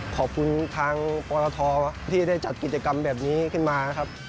ขอบคุณทางปรทที่ได้จัดกิจกรรมแบบนี้ขึ้นมานะครับ